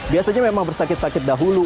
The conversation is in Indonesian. biasanya memang bersakit sakit dahulu